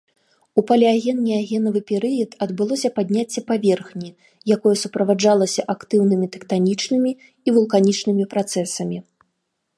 У палеаген-неагенавы перыяд адбылося падняцце паверхні, якое суправаджалася актыўнымі тэктанічнымі і вулканічнымі працэсамі.